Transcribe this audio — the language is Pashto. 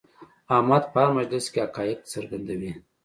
احمد په هر مجلس کې حقایق څرګندوي.